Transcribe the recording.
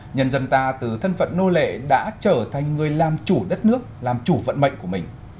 nhân dân ta từ thân phận nô lệ đã trở thành người làm chủ đất nước làm chủ vận mệnh của mình